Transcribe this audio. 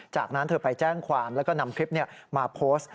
จากนั้นเธอไปแจ้งความแล้วก็นำคลิปมาโพสต์